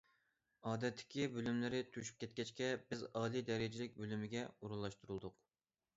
ئادەتتىكى بۆلۈملىرى توشۇپ كەتكەچكە بىز ئالىي دەرىجىلىك بۆلۈمىگە ئورۇنلاشتۇرۇلدۇق.